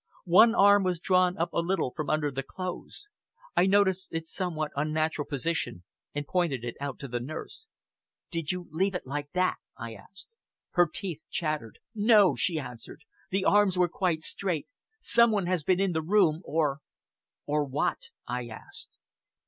One arm was drawn up a little from under the clothes. I noticed its somewhat unnatural position and pointed it out to the nurse. "Did you leave it like that?" I asked. Her teeth chattered. "No!" she answered, "The arms were quite straight. Some one has been in the room or " "Or what?" Tasked.